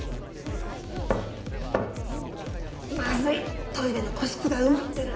まずいトイレの個室が埋まってる。